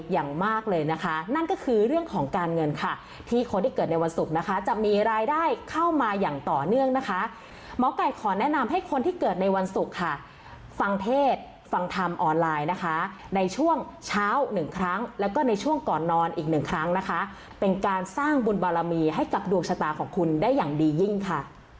หมอกัยขอแนะนำให้คนที่เกิดในวันศุกร์ค่ะฟังเทศฟังธรรมออนไลน์นะคะในช่วงเช้าหนึ่งครั้งแล้วก็ในช่วงก่อนนอนอีกหนึ่งครั้งนะคะเป็นการสร้างบุญบารมีให้กับดวกชะตาของคุณได้อย่างดียิ่งค่ะ